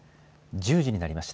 １０時になりました。